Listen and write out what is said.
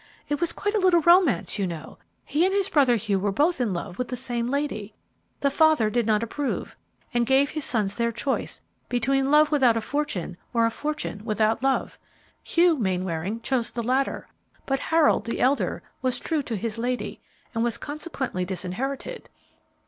It was quite a little romance, you know. He and his brother Hugh were both in love with the same lady. The father did not approve, and gave his sons their choice between love without a fortune or a fortune without love. Hugh Mainwaring chose the latter, but Harold, the elder, was true to his lady, and was consequently disinherited."